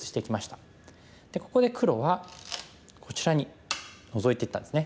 ここで黒はこちらにノゾいていったんですね。